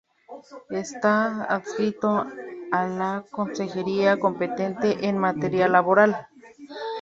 Está adscrito a la Consejería competente en materia laboral.